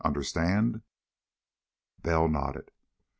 Understand?" Bell nodded.